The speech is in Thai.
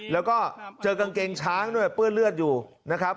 แล้วก็เจอกางเกงช้างด้วยเปื้อนเลือดอยู่นะครับ